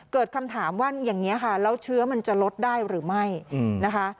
เกิดคำถามว่าอย่างนี้ค่ะแล้วเชื้อมันจะลดได้หรือไม่นะคะ